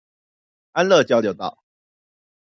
安樂交流道